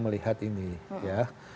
melihat ini ya